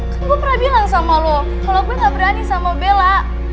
gue pernah bilang sama lo kalau aku gak berani sama bella